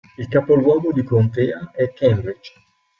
Il capoluogo di contea è Cambridge.